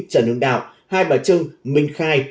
trần hương đạo hai bà trưng minh khai